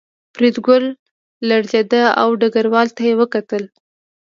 فریدګل لړزېده او ډګروال ته یې وکتل